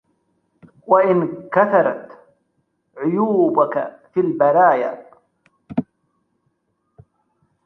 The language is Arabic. وَإِن كَثُرَت عُيوبُكَ في البَرايا